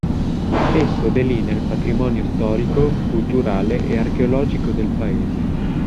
Esso delinea il patrimonio storico, culturale e archeologico del paese.